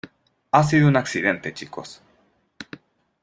Ha sido un accidente, chicos.